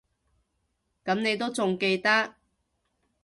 噉你都仲記得